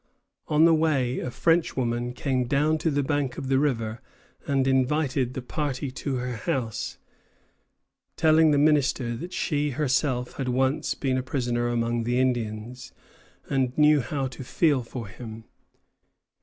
On the way a Frenchwoman came down to the bank of the river and invited the party to her house, telling the minister that she herself had once been a prisoner among the Indians, and knew how to feel for him.